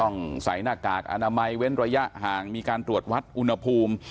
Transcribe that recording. ต้องใส่หน้ากากอนามัยเว้นระยะห่างมีการตรวจวัดอุณหภูมิ